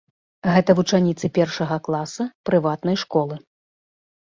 Гэта вучаніцы першага класа прыватнай школы.